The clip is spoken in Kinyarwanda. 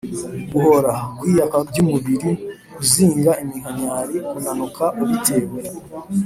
guhoora: kwiyaka by’umubiri, kuzinga iminkanyari, kunanuka ubitewe